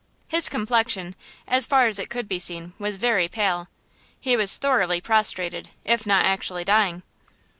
His complexion, as far as it could be seen, was very pale. He was thoroughly prostrated, if not actually dying.